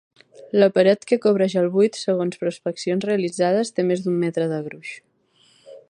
La paret que cobreix el buit, segons prospeccions realitzades, té més d'un metre de gruix.